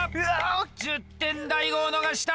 １０点大悟を逃した！